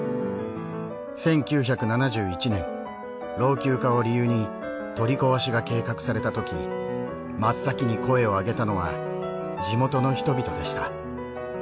１９７１年老朽化を理由に取り壊しが計画されたとき真っ先に声をあげたのは地元の人々でした。